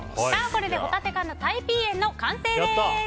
これでホタテ缶のタイピーエンの完成です。